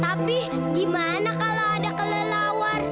tapi gimana kalau ada kelelawar